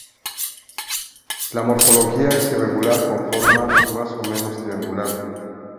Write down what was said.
La morfología es irregular, con forma más o menos triangular.